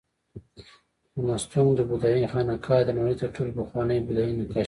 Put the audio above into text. د مستونګ د بودایي خانقاه د نړۍ تر ټولو پخواني بودایي نقاشي لري